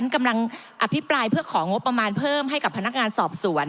กำลังอภิปรายเพื่อของงบประมาณเพิ่มให้กับพนักงานสอบสวน